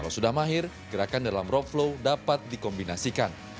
kalau sudah mahir gerakan dalam rope flow dapat dikombinasikan